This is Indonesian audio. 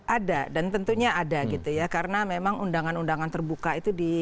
ada dan tentunya ada gitu ya karena memang undangan undangan terbuka itu di